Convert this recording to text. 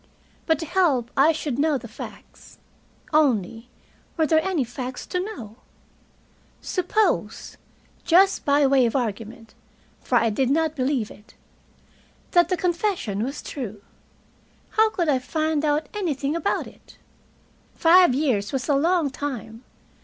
But to help I should know the facts. Only, were there any facts to know? Suppose just by way of argument, for I did not believe it that the confession was true; how could I find out anything about it? Five years was a long time.